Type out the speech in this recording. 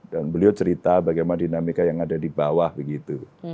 dan beliau cerita bagaimana dinamika yang ada di bawah begitu